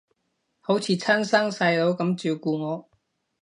好似親生細佬噉照顧我